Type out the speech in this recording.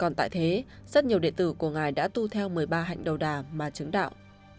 còn tại thế rất nhiều địa tử của ngài đã tu theo một mươi ba hạnh đầu đà mà trứng đạo